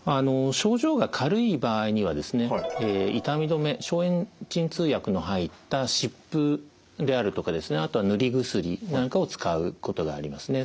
症状が軽い場合には痛み止め消炎鎮痛薬の入った湿布であるとかあとは塗り薬なんかを使うことがありますね。